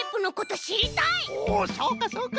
おおそうかそうか。